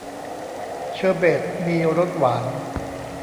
เชอร์เบทมีรสหวาน